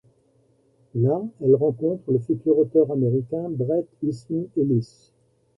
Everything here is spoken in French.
Là, elle rencontre le futur auteur américain Bret Easton Ellis.